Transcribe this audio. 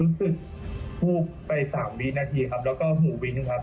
รู้สึกวูบไป๓วินาทีครับแล้วก็หูวินิครับ